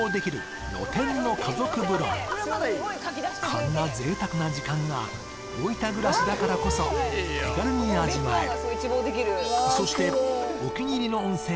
こんなぜいたくな時間が大分暮らしだからこそ気軽に味わえる。